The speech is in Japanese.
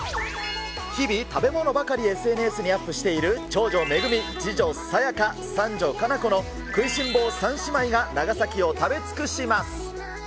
日々、食べ物ばかりＳＮＳにアップしている長女、めぐみ、次女、さやか、三女、佳菜子の食いしん坊三姉妹が長崎を食べ尽くします。